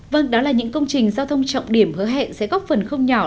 vâng đó là những công trình giao thông trọng điểm hứa hẹn sẽ góp phần không nhỏ